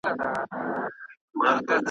لمر ځمکې ته رڼا ورکوي.